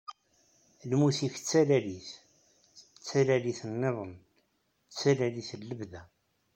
Lmut-ik d talalit, d talalit-nniḍen, d talalit n lebda.